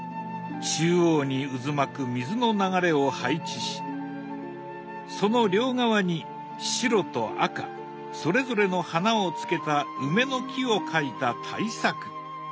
中央に渦巻く水の流れを配置しその両側に白と赤それぞれの花をつけた梅の木を描いた大作。